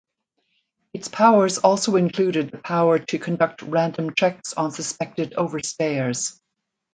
Its powers also included the power to conduct random checks on suspected overstayers.